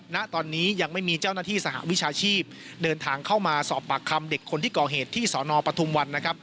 ณตอนนี้ยังไม่มีเจ้าหน้าที่สหวิชาชีพเดินทางเข้ามาสอบปากคำเด็กคนที่ก่อเหตุที่สนปทุมวันนะครับ